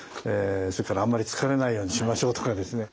それからあんまり疲れないようにしましょうとかですね